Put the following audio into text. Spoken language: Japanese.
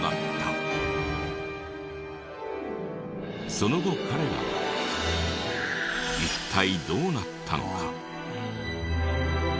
その後彼らは一体どうなったのか？